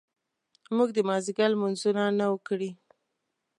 موږ د مازیګر لمونځونه نه وو کړي.